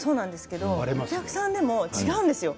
お客さんでも違うんですよ。